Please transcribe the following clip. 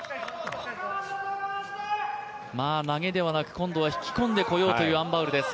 投げではなく今度は引き込んでこようというアン・バウルです